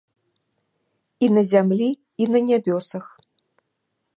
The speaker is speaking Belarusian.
І на зямлі і на нябёсах.